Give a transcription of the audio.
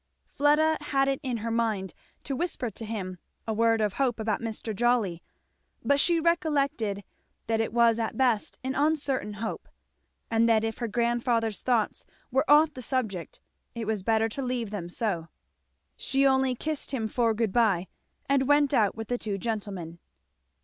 Fleda had it in her mind to whisper to him a word of hope about Mr. Jolly; but she recollected that it was at best an uncertain hope, and that if her grandfather's thoughts were off the subject it was better to leave them so. She only kissed him for good by, and went out with the two gentlemen.